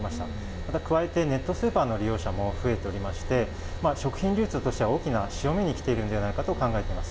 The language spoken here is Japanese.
また、加えてネットスーパーの利用者も増えておりまして、食品流通としては、大きな潮目に来ているのではないかと考えています。